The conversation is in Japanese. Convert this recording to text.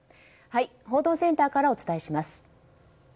報道センターからお伝えします。